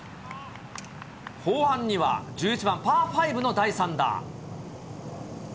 後半には１１番パー５の第３打。